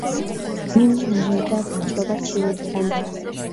მიმდინარეობდა ვაჭრობა ჩინეთთან.